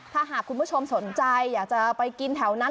ถ้าหากคุณผู้ชมสนใจอยากจะไปกินแถวนั้น